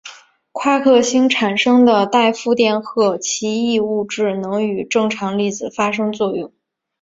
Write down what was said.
夸克星产生的带负电荷奇异物质能与正常粒子发生作用。